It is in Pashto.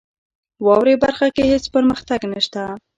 واورئ برخه کې هیڅ پرمختګ نشته .